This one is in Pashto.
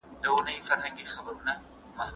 خام مواد تولیدیږي.